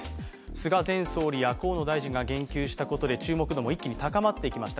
菅前総理や河野大臣が言及したことで注目度も一気に上がってきました。